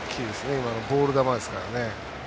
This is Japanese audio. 今のはボール球ですから。